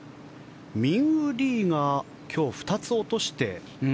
ミンウー・リーが今日、２つ落として。